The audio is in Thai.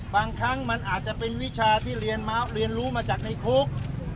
บางครั้งมันอาจจะเป็นวิชาที่เรียนรู้มาจากในคุก